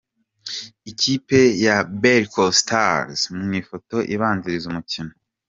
Ikipe ya Berco Stars mu ifoto ibanziriza umukino.